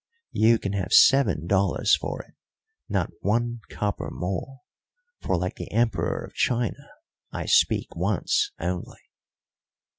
You can have seven dollars for it not one copper more, for, like the Emperor of China, I speak once only."